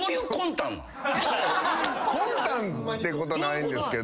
魂胆ってことはないんですけど。